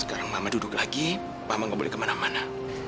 sekarang mama duduk lagi mama nggak boleh kemana mana